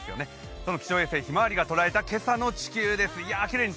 その気象衛星ひまわりがとらえた今朝の地球です。